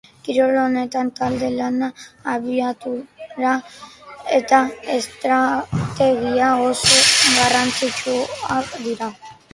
Kirol honetan talde lana, abiadura eta estrategia oso garrantzitsuak dira.